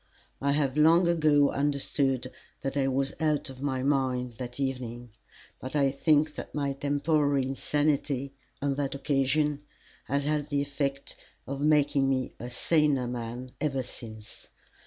I have long ago understood that I was out of my mind that evening, but I think my temporary insanity on that occasion has had the effect of making me a saner man ever since.